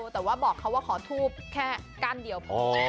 แต่ว่าบอกเขาว่าขอทูบแค่ก้านเดียวพอ